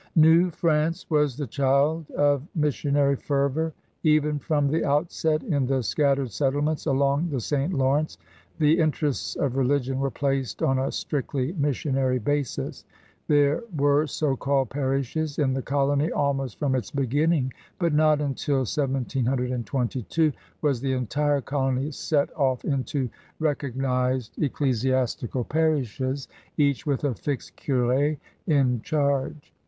New France was the child of missionary fervor. Even from the outset, in the scattered settlements along the St. Lawrence, the interests of religion were placed on a strictly missionary basis. There were so called parishes in the colony almost from its beginning, but not until 1722 was the entire colony set off into recognized ecclesiastical parishes, each with a fixed curS in charge.